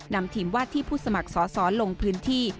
นำทีมวาดที่ผู้สมัครสอสอลงพื้นที่